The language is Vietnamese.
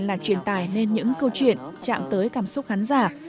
là truyền tài lên những câu chuyện chạm tới cảm xúc khán giả